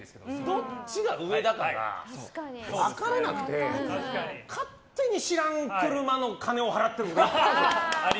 どっちが上なのか分からなくて勝手に知らない車の金を払っていることがある。